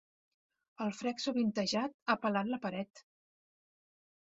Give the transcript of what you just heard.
El frec sovintejat ha pelat la paret.